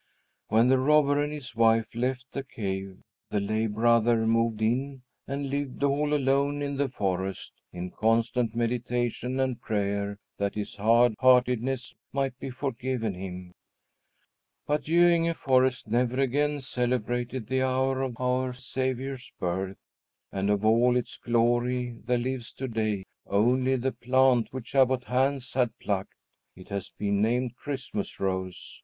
When the robber and his wife left the cave, the lay brother moved in and lived all alone in the forest, in constant meditation and prayer that his hard heartedness might be forgiven him. But Göinge forest never again celebrated the hour of our Saviour's birth; and of all its glory, there lives to day only the plant which Abbot Hans had plucked. It has been named CHRISTMAS ROSE.